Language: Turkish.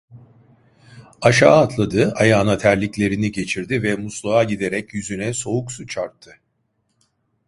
Aşağı atladı, ayağına terliklerini geçirdi ve musluğa giderek yüzüne soğuk su çarptı.